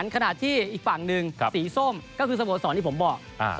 ขณะที่อีกฝั่งหนึ่งสีส้มก็คือสโมสรที่ผมบอก